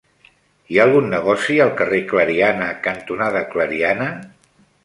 Hi ha algun negoci al carrer Clariana cantonada Clariana?